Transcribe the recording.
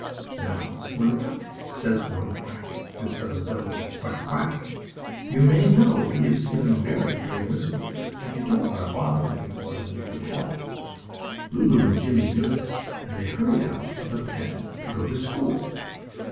Now when a duck says one quack, instead of a double quack quack, you may know he is feeling very, very miserable, and you don't want to bother him any more than you can help. Lulu and Jimmie knew this, and they hurried out of the pen to go to school.